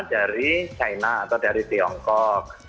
dari china atau dari tiongkok